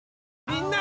みんな！